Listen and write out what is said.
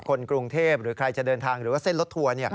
คนกรุงเทพหรือใครจะเดินทางหรือว่าเส้นรถทัวร์